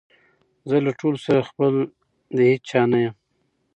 زه له ټولو سره خپل د هیچا نه یم